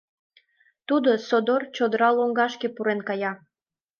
Тудо содор чодыра лоҥгашке пурен кая.